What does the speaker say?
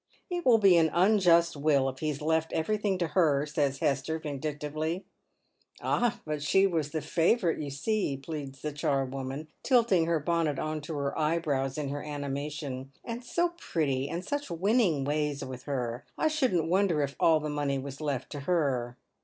" It win be an unjust will if he's left everything to her," says Hester, vindictively. " Ah, but she was the favourite, you see," pleads the charwoman, tilting her bonnet on to her eyebrows in her animation, " and so pretty, and such winning ways with her. I shouldn't wonder if all the money was left to her."